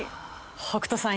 北斗さん